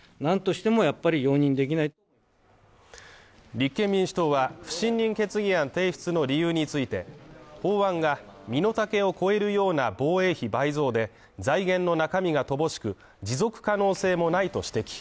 立憲民主党は、不信任決議案提出の理由について、法案が身の丈を超えるような防衛費倍増で財源の中身が乏しく、持続可能性もないと指摘。